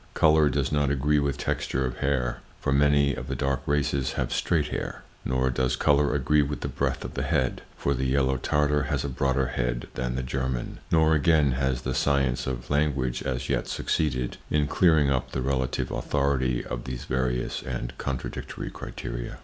Color does not agree with texture of hair, for many of the dark races have straight hair; nor does color agree with the breadth of the head, for the yellow Tartar has a broader head than the German; nor, again, has the science of language as yet succeeded in clearing up the relative authority of these various and contradictory criteria.